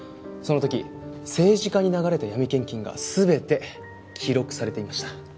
そのとき政治家に流れた闇献金がすべて記録されていました。